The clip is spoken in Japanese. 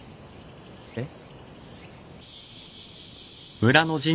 えっ？